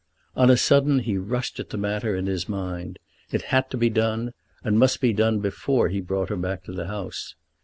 On a sudden he rushed at the matter in his mind. It had to be done, and must be done before he brought her back to the house.